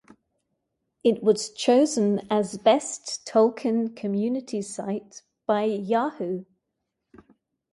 It was chosen as "Best Tolkien Community Site" by Yahoo!